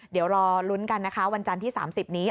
เดี๋ยวรอลุ้นกันนะคะวันจันทร์ที่๓๐นี้